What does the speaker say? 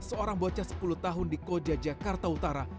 seorang bocah sepuluh tahun di koja jakarta utara